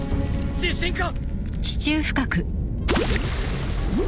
地震か！？